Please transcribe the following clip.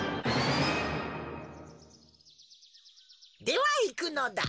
ではいくのだ。